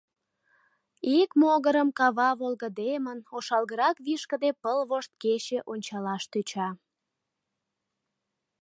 Ик могырым кава волгыдемын, ошалгырак вишкыде пыл вошт кече ончалаш тӧча.